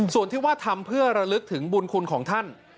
ส่วนที่ว่าทำเพื่อระลึกถึงบุญคุณของท่าน